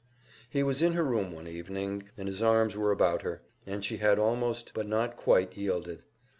He was in her room one evening, and his arms were about her, and she had almost but not quite yielded.